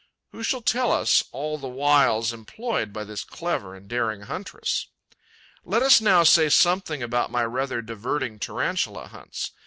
Who shall tell us all the wiles employed by this clever and daring huntress? 'Let us now say something about my rather diverting Tarantula hunts.